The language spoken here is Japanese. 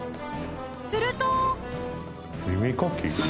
すると